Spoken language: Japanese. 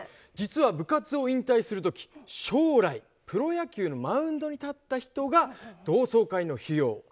実は部活を引退する時将来プロ野球のマウンドに立った人が同窓会の費用